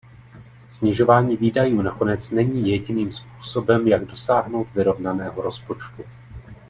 Snižování výdajů nakonec není jediným způsobem, jak dosáhnout vyrovnaného rozpočtu.